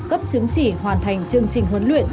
cấp chứng chỉ hoàn thành chương trình huấn luyện